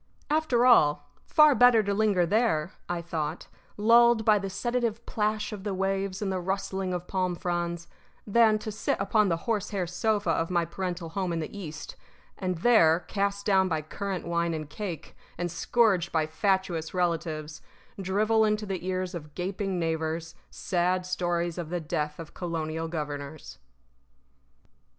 After all, far better to linger there (I thought), lulled by the sedative plash of the waves and the rustling of palm fronds, than to sit upon the horsehair sofa of my parental home in the East, and there, cast down by currant wine and cake, and scourged by fatuous relatives, drivel into the ears of gaping neighbors sad stories of the death of colonial governors.